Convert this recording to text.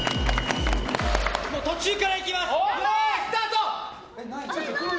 途中からいきます！